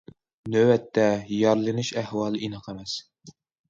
نۆۋەتتە، يارىلىنىش ئەھۋالى ئېنىق ئەمەس.